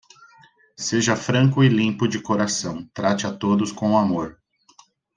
Seja franco e limpo de coração, trate a todos com amor.